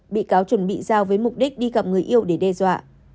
bị cáo chuẩn bị giao với mục đích đi gặp người yêu để đe dọa